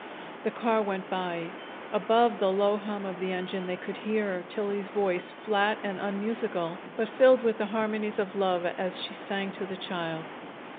The car went by. Above the low hum of the engine they could hear Tillie's voice, flat and unmusical, but filled with the harmonies of love as she sang to the child.